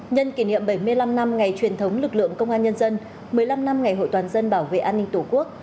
nhân kỷ niệm bảy mươi năm năm ngày truyền thống lực lượng công an nhân dân một mươi năm năm ngày hội toàn dân bảo vệ an ninh tổ quốc